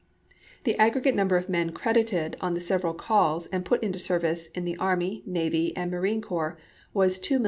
The ag gregate number of men credited on the several calls, and put into service in the army, navy, and marine corps, was 2,690,401.